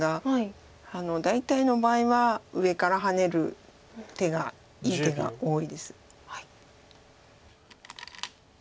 大体の場合は上からハネる手がいい手が多いです。